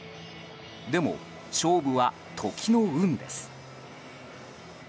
でも、勝負は時の運です。